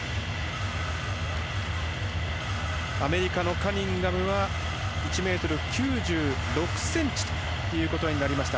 アメリカのカニンガムは１ｍ９６ｃｍになりました。